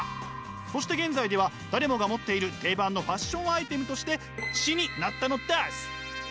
そして現在では誰もが持っている定番のファッションアイテムとして知になったのです！